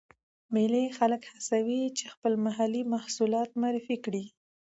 مېلې خلک هڅوي، چې خپل محلې محصولات معرفي کړي.